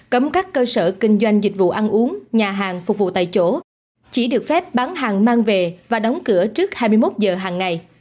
cấm các cơ sở kinh doanh dịch vụ ăn uống nhà hàng phục vụ tại chỗ chỉ được phép bán hàng mang về và đóng cửa trước hai mươi một giờ hàng ngày